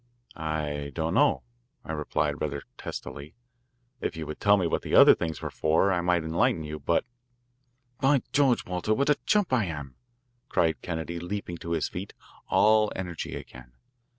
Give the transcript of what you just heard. "I don't know," I replied, rather testily. "If you would tell me what the other things were for I might enlighten you, but " "By George, Walter, what a chump I am!" cried Kennedy, leaping to his feet, all energy again.